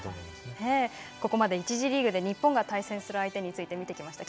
ここまで１次リーグで日本が対戦するチームについて見てきました。